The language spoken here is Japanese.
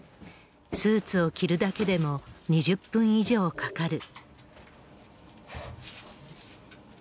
スーツを着るだけでも２０分以上かかる。